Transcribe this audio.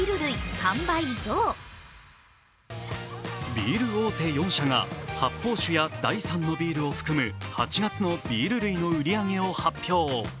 ビール大手４社が発泡酒や第３のビールを含む８月のビール類の売り上げを発表。